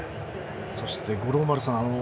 そして五郎丸さん